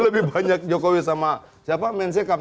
lebih banyak jokowi sama siapa mensekap siapa